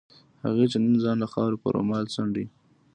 هغه چې نن ځان له خاورو په رومال څنډي.